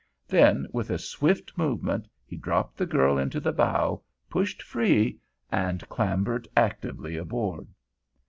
Then with a swift movement he dropped the girl into the bow, pushed free, and clambered actively aboard.